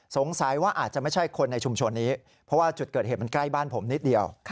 สงสัยว่าอาจจะไม่ใช่คนในชุมชนนี้เพราะว่าจุดเกิดเหตุมันใกล้บ้านผมนิดเดียว